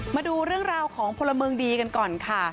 มาดูเรื่องราวของพลเมืองดีกันก่อนค่ะ